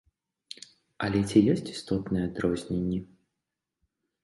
Але ці ёсць істотныя адрозненні?